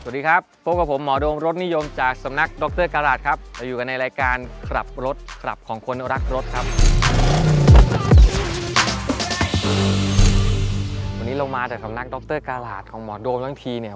ดรโดมโรธนิยมสำนักโดคเตอร์กาลาดวันนี้เรามาจากสำนักโดคเตอร์กาลาดของหมอโดมด้านทีเนี่ยทุกวันมาให้ดูกัน